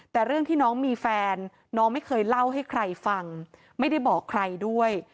แต่เรื่องที่น้องมีแฟนน้องไม่เคยเล่าให้ใครฟังไม่ได้บอกใครด้วย